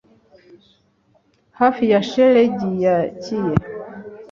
hafi ya shelegi ya kiye